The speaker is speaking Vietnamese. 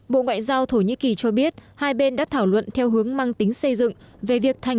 bộ ngoại giao thổ nhĩ kỳ cho biết hai bên đã thảo luận theo hướng mang tính xây dựng về việc thành